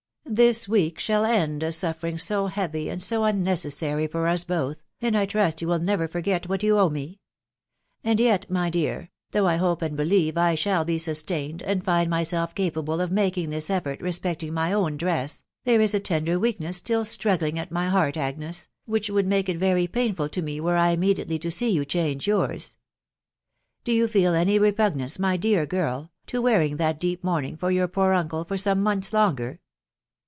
This week shall end a suffering so heavy, and so unnecessary for us both, and I trust you will never forget what you owe me. And yet, my dear, though I hope and believe I shall be sustained, and find myself capable of making this effort respecting my own dress, there is a tender weakness still struggling at my heart, Agnes, which would make it very painful to me were I immediately to see you change yours. Do you feel any repugnance, my dear girl, to wearing that deep mourning for your poor uncle for some months longer